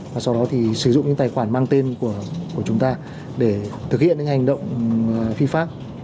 và sau đó thì sử dụng những tài khoản mang tên của chúng ta để thực hiện những hành động phi pháp